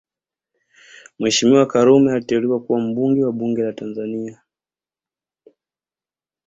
Mheshimiwa Karume aliteuliwa kuwa mbunge wa bunge la Tanzania